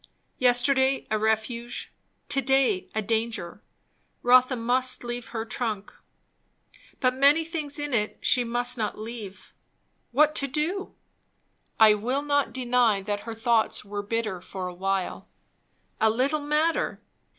Yesterday a refuge, to day a danger. Rotha must leave her trunk. But many things in it she must not leave. What to do? I will not deny that her thoughts were bitter for a while. A little matter!